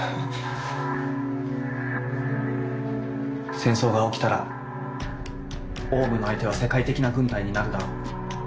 戦争が起きたらオウムの相手は世界的な軍隊になるだろう。